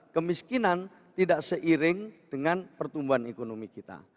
kemiskinan tidak seiring dengan pertumbuhan ekonomi kita